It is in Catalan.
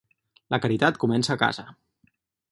La caritat comença a casa